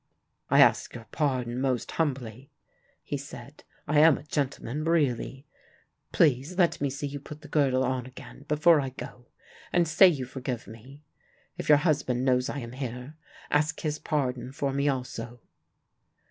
"I ask your pardon most humbly," he said. "I am a gentleman, really. Please let me see you put the girdle on again, before I go; and say you forgive me. If your husband knows I am here, ask his pardon for me also."